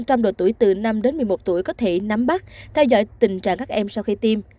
trong độ tuổi từ năm đến một mươi một tuổi có thể nắm bắt theo dõi tình trạng các em sau khi tiêm